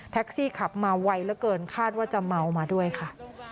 แท็กซี่ขับมาไวละเกินคาดว่าจะเมามาด้วยค่ะ